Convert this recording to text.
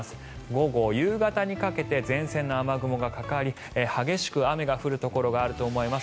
午後、夕方にかけて前線の雨雲がかかり激しく雨が降るところがあると思います。